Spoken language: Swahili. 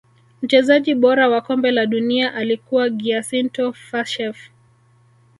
mchezaji bora wa kombe la dunia alikuwa giasinto faccheff